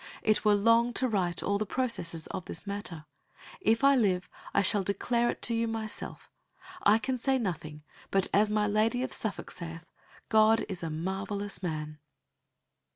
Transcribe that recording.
It were long to write all the processes of this matter. If I live, I shall declare it to you myself. I can say nothing, but as my Lady of Suffolk saith, 'God is a marvellous man.